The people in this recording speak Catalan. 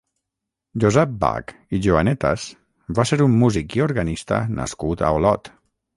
Josep Bach i Joanetas va ser un músic i organista nascut a Olot.